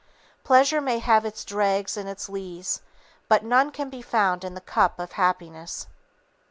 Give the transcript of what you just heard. Pleasure may have its dregs and its lees; but none can be found in the cup of happiness.